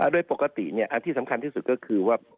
โดยปกติอันที่สำคัญที่สุดก็คือว่า